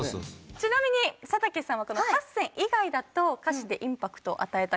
ちなみに佐竹さんは８選以外だと歌詞でインパクトを与えた曲は何ですか？